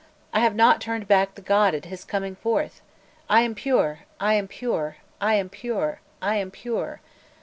I have not turned back the god at his coming forth! I am pure! I am pure! I am pure! I am pure!